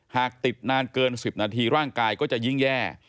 หากติดนานเกิน๑๐นาทีร่างกายก็จะยิ่งแย่